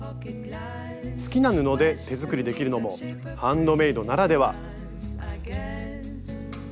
好きな布で手作りできるのもハンドメイドならでは。